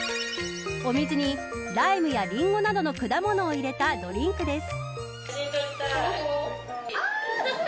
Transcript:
お水にライムやリンゴなどの果物を入れたドリンクです。